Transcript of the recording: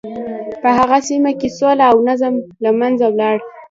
په هغه سیمه کې سوله او نظم له منځه ولاړ.